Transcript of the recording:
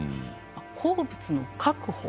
鉱物の確保